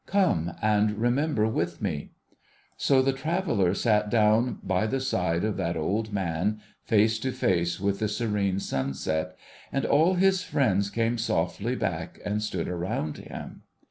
Come and remember with me !' So the traveller sat down by the side of that old man, face to face with the serene sunset ; and all his friends came softly back and stood around him.